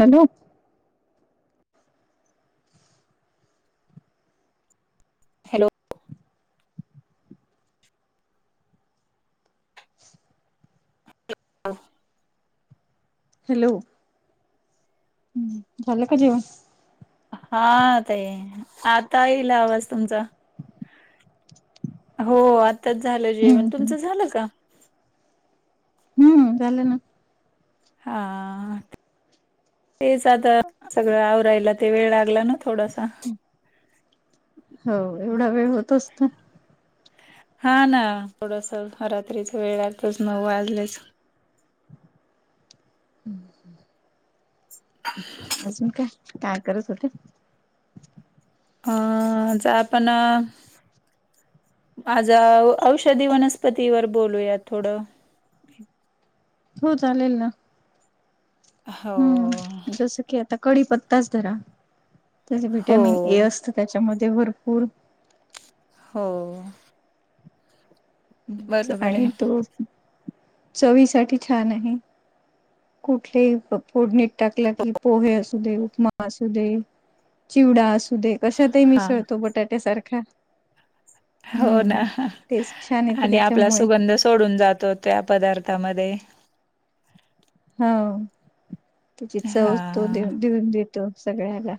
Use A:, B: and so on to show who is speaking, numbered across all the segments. A: Hello.
B: Hello. ह [unintelligible]
A: hello. हम्म झालं का जेवण?
B: हा ताई, आता येईल आवाज तुमचा. हो. आत्ताच झालं जेवण
A: हम्म हम्म
B: तुमचं झालं का?
A: हम्म झालं ना.
B: हा. तेच आता सगळं आवरायला वेळ लागला ना. थोडासा.
A: हो. एवढा वेळ होतोच.
B: हा ना. थोडस रात्रीच वेळ लागतोच. नऊ वाजलेच.
A: हम्म ह् अजून काय? काय करत होत.
B: आज आपण. आज औषधी वनस्पतीवर बोलूया थोडं.
A: हो चालेल ना.
B: हो.
A: जस की आता कढीपत्ताच धरा त्यात
B: हो
A: विटॅमिन ए असत त्याच्यामध्ये भरपूर
B: हो. बरोबर आहे
A: आणि तो. चवीसाठी छान आहे. कुठले फोडणीत टाकला कि पोहे अस दे उपमा असू दे, चिवडा असू दे, कशतही
B: हा
A: मिसळतो बटाट्या सारखा.
B: हो ना.
A: टेस्ट छान येते
B: आणि आपला
A: त्याच्यामुळे
B: सुगंध सोडून जातो त्या पदार्थामध्ये.
A: हा. त्याची चवतो
B: हा
A: दे देऊन देतो सगळ्याला.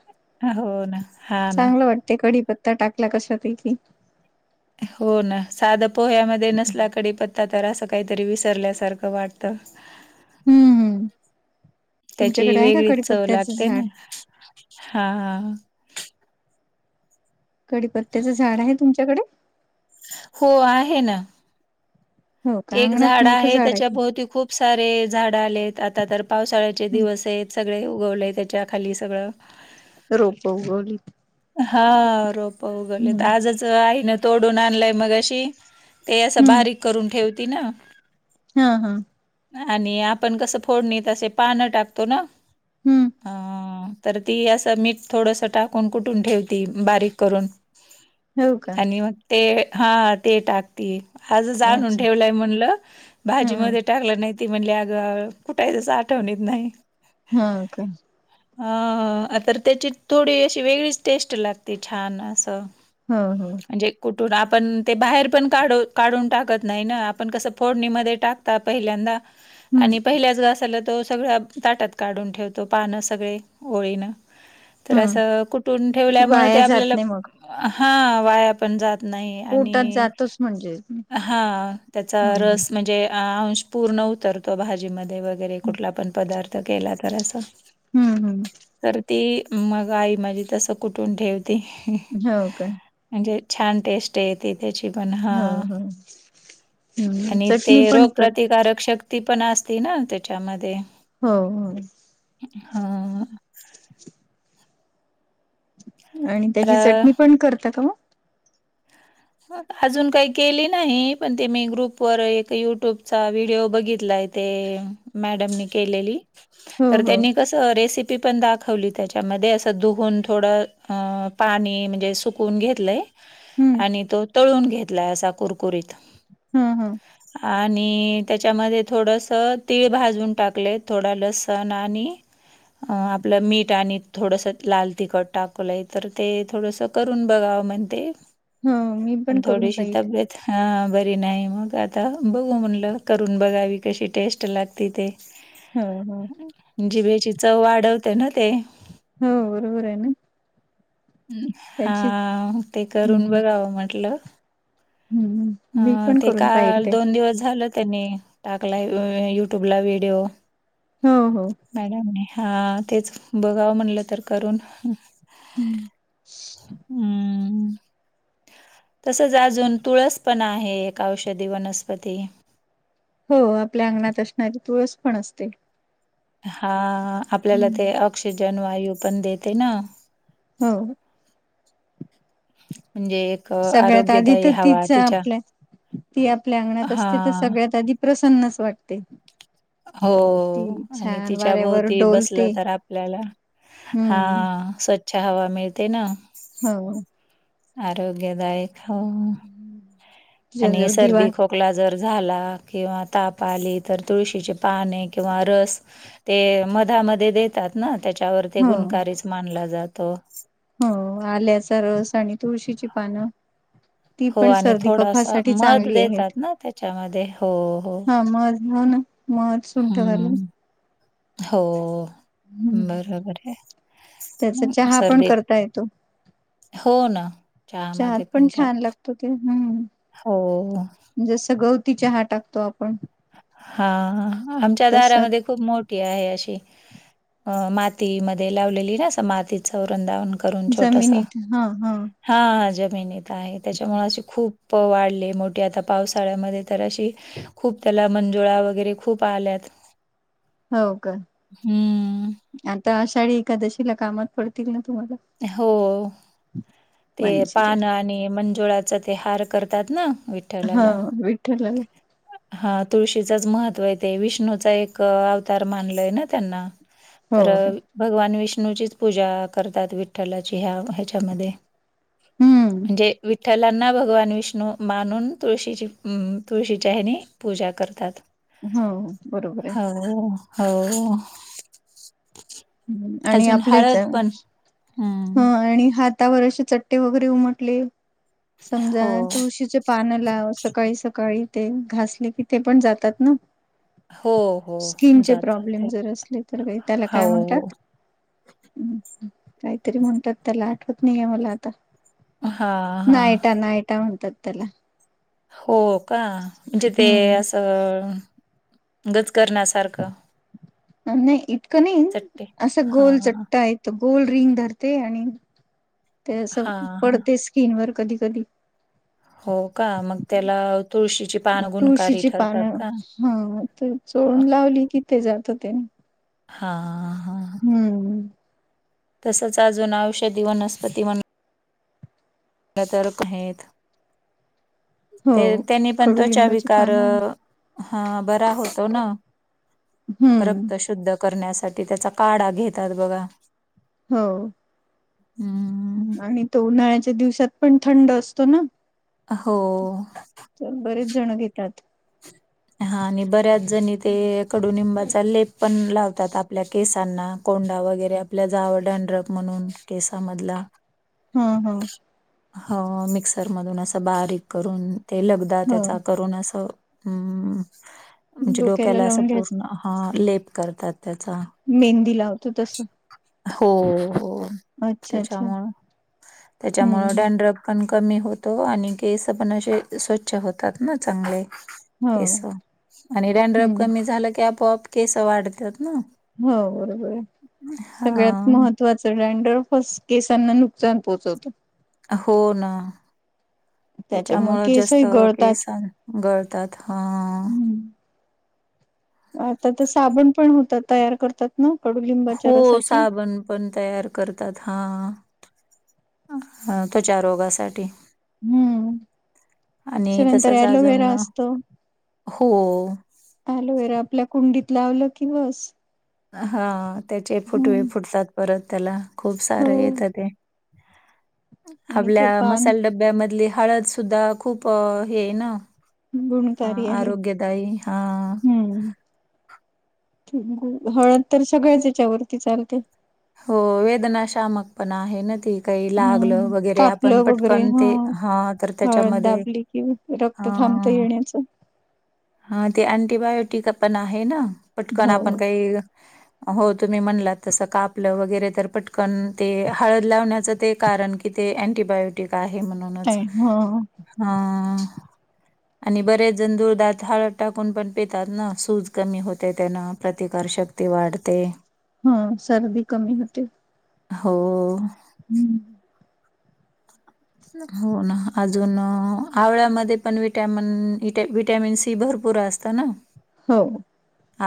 B: अ हो ना. हां ना.
A: चांगलं वाटते कढीपत्ता टाकला कशा तेची.
B: हो ना. साध पोह्यामध्ये नसला का कडीपत्ता तर असं काहीतरी विसरल्यासारखं वाटतं.
A: हम्म
B: त्याची
A: तुमच्याकडे आहे का
B: वेगळीच चव
A: कडीपत्त्याचं
B: लागते ना.
A: झाड
B: हा हा.
A: कडीपत्त्याचं झाड आहे तुमच्याकडे?
B: हो आहे ना.
A: हो का
B: एक
A: अंगणात
B: झाड
A: मोठं
B: आहे,
A: झाड
B: त्याच्या
A: का
B: भोवती खूप सारे झाड आलेत, आता तर पावसाळ्याचे दिवस आहेत. सगळे उगवलेय त्याच्या खाली सगळं.
A: रोप उगवलीत.
B: हा रोप उगवलीत, आजच आईन तोडून आणलंय मगाशी. ते असं,
A: हम्म
B: बारीक करून ठेवती ना.
A: हा, हा.
B: आणि आपण कसं फोडणी असे, पान टाकतो ना
A: हम्म
B: आ. तर ती असं मीठ थोडस टाकून कुठून ठेवती, बारीक करून.
A: हो का
B: आणि मग ते, हा ते टाक. ती आज आणून
A: अच्छा
B: ठेवलंय म्हणलं
A: हा
B: भाजी मध्ये. टाकलं नाही ते म्हणली अगं, कुठंय स आठवणीत नाही.
A: हा का
B: अ... तर त्याची थोडी अशी, वेगळीच टेस्ट लागते छान असं.
A: हो. हो.
B: म्हणजे कुठून आपण ते, बाहेर पण काढू काढून टाकत नाही ना, आपण कसं फोडणीमध्ये टाक ता पहिल्यांदा, आणि पहिल्याच घासाला तो सगळ ताटत. काढून ठेवतो पानं सगळे, ओळीनं तर
A: हम्म
B: असं. [unintelligible] ठेवल्यामुळे
A: वाया
B: ते
A: जात
B: आपल्या
A: नाही मग
B: हा वाया. पण जात नाही,
A: पोटात
B: आणि
A: जातोच म्हणजे हम्म
B: हा त्याचा रस म्हणजे. अंश पूर्ण उतरतो, भाजीमध्ये वगैरे कुठला पण पदार्थ केला तर असा.
A: हम्म, हम्म.
B: तर ती मग आई माझी, तसं कुठून ठेवते.
A: हो काय.
B: म्हणजे छान टेस्ट येते. त्याची पण हा,
A: हो हो हम्म
B: आणि ते
A: चटणी पण कर
B: रोगप्रतिकारक शक्ती. ती पण असती ना तेच्यामध्ये.
A: हो, हो.
B: हा...
A: [inaudible] आणि
B: तर
A: त्याची चटणी पण करतात हो.
B: अजून काही केली नाही, पण ते मी ग्रुप वर एक युट्यूबचा व्हिडिओ बघितलाय. ते मॅडमनी केलेली,
A: हो
B: तर
A: हो.
B: तेनी कसं. तर रेसिपी पण दाखवली, त्याच्यामध्ये असं दुहून थोडं अ पाणी म्हणजे सुकू कून घेतलय.
A: हम्म.
B: आणि तो, तळून घेतलाय असा कुरकुरीत.
A: हम, हम.
B: आणि त्यांच्यामध्ये थोडस तीळ भाजून टाकले, थोडं लसण आणि. अ.. आपलं मीठ आणि थोडंसं लाल तिखट टाकवलं तर ते थोडसं. करून बघावं म्हणते.
A: हा मी.
B: आणि
A: पण करून
B: थोडीशी
A: पाहिल
B: तब्येत. हा बरी नाही. मग आता बघू म्हटलं, करून बघावी कशी टेस्ट लागते ते.
A: हो हो
B: जिभेची चव वाढवते ना ते.
A: हो बरोबर आहे ना. त्याची
B: हा.. ते करून
A: हम्म
B: बघावं म्हटलं.
A: हम्म मी
B: हा...
A: पण
B: ते
A: करून पाहिल
B: काल
A: ते
B: दोन दिवस झालं कणी. टाकलाय युट्यूबला व्हिडिओ.
A: हो हो.
B: मॅडमने हा तेच, बघावं म्हटलं तर करून.
A: हम्म.
B: हम्म तसच अजून तुळस पण आहे, एक औषधी वनस्पती.
A: हो. आपल्या अंगणात असणारी तुळस पण असते.
B: हा आपल्याला
A: हं.
B: ते ऑक्सिजन वायू पण देते ना.
A: हो.
B: म्हणजे?
A: सगळ्यात आधी
B: आरोग्यदायी
A: तर
B: हवा
A: तिच
B: तिच्या
A: आपल्या, ती आपल्या अंगणात
B: हा
A: असते तर सगळ्यात आधी प्रसन्नच वाटते.
B: हो
A: ती
B: आणि
A: छान
B: तिच्या
A: वाऱ्यावर
B: भोवती बसलं
A: डोलते
B: तर आपल्याला हा
A: हम्म
B: स्वच्छ हवा मिळते ना.
A: हा.
B: आरोग्यदायक हो [unintelligible] आणि
A: तिच्याजवळ दिवा
B: सर्दी खोक खोकला जर झाला किंवा ताप आले तर तुळशीचे पाने किंवा रस ते मधामध्ये देतात ना त्याच्यावर ते
A: हो
B: गुणकारीच मानला जातो.
A: हो आल्याचा रस आणि तुळशीची पानं. ती
B: हो
A: पण
B: आणि
A: सर्दी
B: थोडासा
A: कफासाठी
B: मध
A: चांगली
B: देतात
A: आहेत,
B: ना त्याच्यामध्ये हो,
A: हा मज म्हण
B: हम्म, हो.
A: हम्म.
B: बरोबर आहे,
A: त्याचा चहा पण
B: सर्दी
A: करता येतो.
B: हो ना, चहा
A: चहात
B: मध्ये पण
A: छान
B: टाकतात,
A: लागतो
B: हो.
A: जसं गवती चहा टाकतो आपण.
B: हा आमच्या
A: तस
B: दारामध्ये खूप मोठी आहे अशी अ मातीमध्ये लावलेली आस मातीच वृंदावन करून छोटस,
A: जमिनीत हा हा
B: त्याच्यामुळे अशी खूप प वाढले मोठे आता पावसाळ्यामध्ये तर अशी खूप त्याला मंजुळा वगैरे खूप आल्यात.
A: हो का?
B: हं.
A: आता आषाढी एकादशीला कामात पडतील ना तुम्हाला.
B: हो ते
A: मंजिऱ्या
B: पान आणि मंजुळा च ते हार करतात ना
A: हा
B: विठ्ठलाला.
A: विठ्ठलाला
B: हा तुळशीचाच महत्त्व येत विष्णूचा एक अवतार मानलाय ना त्यांना.
A: हो
B: तर
A: हो
B: भगवान विष्णूचीच पूजा करतात वि ठलाची ह्या ह्याच्यामध्ये,
A: हम्म
B: म्हणजे विठ्ठलांना भगवान विष्णू मानून तुळशीची तुळशीच्या हेणी पूजा करतात.
A: हम्म बरोबर आहे.
B: हो
A: आणि
B: अजून
A: आपल्याच
B: हळद पण हम.
A: ह आणि हातावर असे चट्टे वगैरे उमटले, समजा
B: हो,
A: तुळशीचे पान लाव सकाळी सकाळी ते घासले कि ते पण जातात ना.
B: हो, हो
A: स्किनचे
B: जातात
A: प्रॉब्लेम
B: ते.
A: जर असले तर का त्याला काय
B: हो.
A: म्हणतात. हम्. तरी म्हणतात त्याला आठवत नाही आहे मला आता,
B: हां, हां.
A: नाहीटा नाहीयटा म्हणतात त्याला.
B: हो का? म्हणजे ते
A: हम्म
B: असं गज करणा सारखं.
A: नाही इतकं नाही
B: चट्टे.
A: असं गोल
B: हां, हां.
A: चटताय तर गोल रिंग धरते आणि ते
B: हां, हां.
A: पडते स्किन वर कधी-कधी.
B: हो का मग त्याला तुळशीची पान गुणकारी
A: तुळशीची
B: ठरतात
A: पानं
B: का?
A: हा तर
B: अ
A: चोळून लावली कि ते जात ते.
B: हा.
A: हम्म.
B: तसंच अजून औषधी वनस्पती म्हण तर [unintelligible]
A: हो
B: ते त्यांनी पण त्वचा
A: कडुलिंबाची
B: विकार
A: पानं आणि
B: हा बरा होतो ना,
A: हम्म
B: रक्त शुद्ध करण्यासाठी त्याचा काढा घेतात बघा.
A: हो
B: हम्म
A: आणि तो उन्हाळ्याच्या दिवसात पण थंड असतो ना
B: हो
A: तर बरेच जण घेतात
B: हा आणि बऱ्याच जणी ते कडुनिंबाचा लेप पण लावतात आपल्या केसांना कोंडा वगैरे आपल्या जावड ंड्रक म्हणून केसामधला
A: ह हम् हम्
B: ह मिक्सर मधून असं बारीक करून ते लगदा
A: हा
B: त्याचा करून असं. हम् म्हणजे डोक्याला अस
A: लावून घ्यायच
B: पूर्ण हा लेप करतात त्याचा.
A: मेहंदी लावतो तसं.
B: हो हो
A: अच्छा अच्छा
B: त्याच्यामु
A: हम्म
B: त्याच्यामु
A: हम्म
B: डॅड्रप पण कमी होतो आणि केस पण असे स्वच्छ होतात ना चांगले
A: हो
B: केस आणि रँड्रप
A: हम्म
B: कमी झालं की आपोआप केस वाढतात ना
A: हो बरोबर आहे सगळ्यात
B: हा
A: महत्त्वाच संडर फ केसांना नुकसान पोहोचवत
B: हो ना
A: त्याच्यामुळे
B: त्याच्यामुळं जास्त
A: केसही गळतात
B: केस गळतात हा
A: हम्म आता तर साबण पण होतात तयार करतात ना कडुलिंबाच्या
B: हो
A: रसाची
B: साबण पण तयार करतात हा त्याच्या रोगासाठी
A: हम्म
B: आणि
A: त्याच्यानंतर
B: तसच
A: एलोवेरा
B: अजून
A: असतो
B: हो
A: अलोवेरा आपल्या कुंडीत लावलं की बस
B: हा त्याचे फुटवे
A: हम्म
B: फुटतात परत त्याला खूप
A: हो
B: सारं येतं ते
A: आणि ते
B: आपल्या
A: पान
B: मसाल्याडब्यामधली हळद सुद्धा खूप हे ना हा
A: गुणकारी आहे.
B: आरोग्यदायी हा
A: ग हळद तर सगळेच याच्यावरती चालते
B: हो वेदनाशामक पण आहे ना ती काही लागलं
A: हम्म
B: वगैरे
A: कापलं
B: आपण पटकन ते ह तर त्याच्यामध्ये
A: डाबली कि रक्त थांबता येण्याचं
B: हा ते अंटीबायोटिक आपण आहे ना पटकन
A: हो
B: आपण काही हो तुम्ही म्हणलात तसं का आपलं वगैरे तर पटकन ते हळद लावण्याचं ते कारण की ते अँटीबायोटिक आहे म्हण म्हणूनच
A: आहे हो
B: हा आणि बरेच जंदूर दात हळद टाकून पण पितात ना सूज कमी होते त्याना प्रतिकार शक् ते वाढते
A: ह सर्दी कमी होते
B: हो
A: हम्म
B: हो ना अजून आवळ्यामध्ये पण विटमन विटॅमिन सी भरपूर पुरा असता ना
A: हो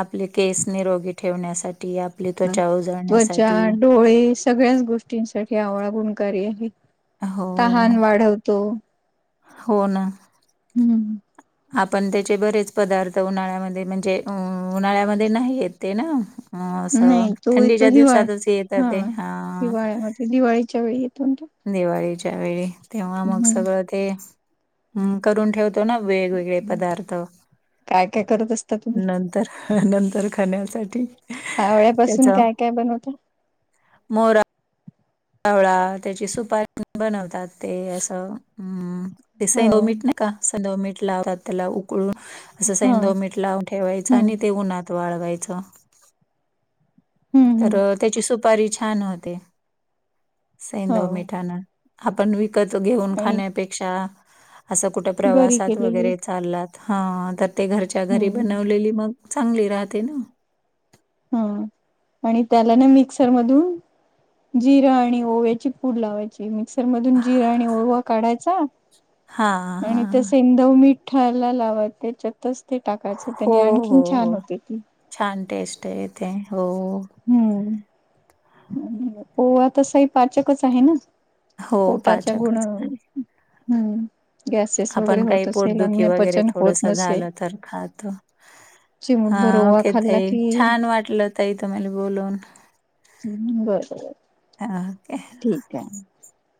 B: आपले केस निरोगी ठेवण्यासाठी
A: ह
B: त्वचा
A: त्वचा
B: उजळण्यासाठी
A: डोळेस सगळ्याच गोष्टींसाठी आवळा गुणकारी आहे
B: हो
A: तहान वाढवतो
B: हो ना
A: हम्म
B: आपण त्याचे बरेच पदार्थ उन्हाळ्यामध्ये म्हणजे उन्हाळ्यामध्ये नाहीयेत ते ना हो अस
A: नाही तो येतो
B: थंडीच्या
A: हिवाळ
B: दिवसातच येत ते हा
A: हिवाळ्यामध्ये दिवाळीच्या वेळी येत
B: दिवाळीच्या वेळी तेव्हा मग सगळं ते करून ठेवत तो ना वेगवेगळे पदार्थ
A: काय काय करत असता तुम्ही
B: नंतर तर नंतर खाण्यासाठी.
A: आवळ्यापासून काय काय बनवता?
B: मोरा आवळा त्याची सुपारी बनवतात ते असं. हम्म, ते
A: हो
B: सैंधव मीठ नाही. का सैंधव मीठ लावतात त्याला उकळून असं
A: हा
B: सैंधव मीठ लावून ठेवायचं
A: हम्म
B: आणि ते उन्हात तो वाळवायचा.
A: हम्म
B: तर
A: हम्म
B: त्याची सुपारी छान होते. सैंदव
A: हो
B: मिठान. आपण विकत घेऊन
A: आणि
B: खाण्यापेक्षा असं कुठे
A: घरी
B: प्रवासात
A: केलेली
B: वगैरे, चालात हा, तर ते घरच्या घरी
A: हम्म
B: बनवलेली मग चांगली राहते ना.
A: हा आणि त्याला ना मिक्सर मधून जिरा आणि ओव्याची पूड लावायची. मिक्स मधून जिरा आणि ओवा काढायचा
B: हां,
A: आणि
B: हां, हां.
A: तस तो मीठाला लावत त्याच्यातच ते टाकायचं.
B: हो,
A: त्यांनी
B: हो,
A: आणखीन छान
B: हो.
A: होते ती.
B: छान टेस्ट येते. हो,
A: हम्म, आवळा तसही पाचकच आहे ना.
B: हो,
A: पोटाच्या गुण
B: पाचकच आहे.
A: हम्म गॅसेस वगैरे
B: आपण काही
A: होत असेल
B: पोटदुखी
A: अन्न
B: वगैरे
A: पचन
B: थोडस
A: होत नसेल
B: झालं तर खातो. हा,
A: चिमुटभर ओवा
B: ओके
A: खाल्ला
B: ताई
A: की
B: छान वाटलं ताई तूम्हाला बोलून..
A: हम् बरोबर
B: हां, ओके.
A: ठीक आहे.